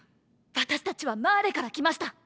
私たちはマーレから来ました！